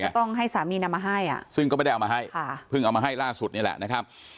ต้องให้สามีนำมาให้อ่ะซึ่งก็ไม่ได้เอามาให้ค่ะเพิ่งเอามาให้ล่าสุดนี่แหละนะครับ